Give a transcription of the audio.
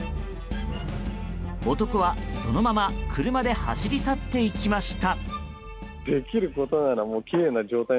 男は、そのまま車で走り去っていきました。